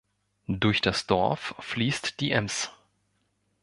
Durch das Dorf fließt die Ems.